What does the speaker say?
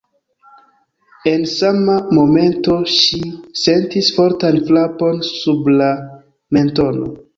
En sama momento ŝi sentis fortan frapon sub la mentono.